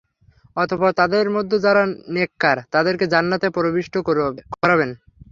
অতঃপর তাদের মধ্যে যারা নেককার, তাদেরকে জান্নাতে প্রবিষ্ট করাবেন।